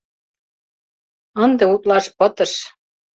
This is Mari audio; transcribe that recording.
Ынде утлаш пытыш.